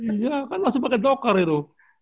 iya kan masih pakai dokter itu